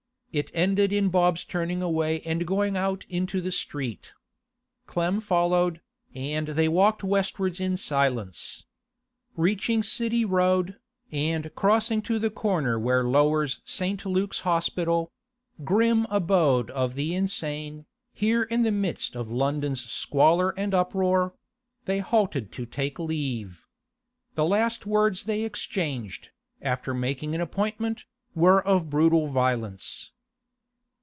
It ended in Bob's turning away and going out into the street. Clem followed, and they walked westwards in silence. Reaching City Road, and crossing to the corner where lowers St. Luke's Hospital—grim abode of the insane, here in the midst of London's squalor and uproar—they halted to take leave. The last words they exchanged, after making an appointment, were of brutal violence.